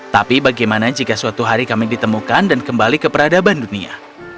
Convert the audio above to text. tapi bagaimana jika suatu hari kami ditemukan dan kembali ke peradaban dunia